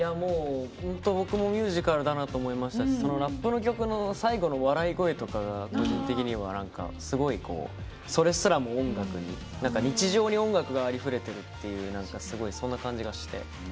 僕もミュージカルだなと思いましたしラップの曲の最後の笑い声とかが個人的にはすごいそれすらも日常に音楽がありふれているっていうすごい、そんな感じがして。